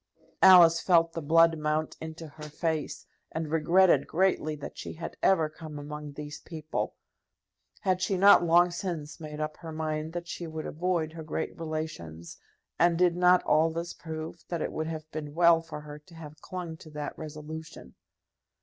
Alice felt the blood mount into her face, and regretted greatly that she had ever come among these people. Had she not long since made up her mind that she would avoid her great relations, and did not all this prove that it would have been well for her to have clung to that resolution?